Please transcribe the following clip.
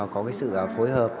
có cái sự phối hợp